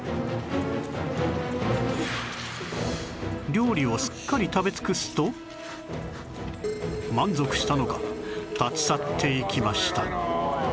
料理をすっかり食べ尽くすと満足したのか立ち去っていきました